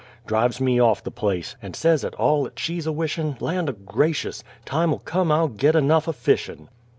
Drives me off the place, and says 'at all 'at she's a wishin', Land o' gracious! time'll come I'll git enough o' fishin'!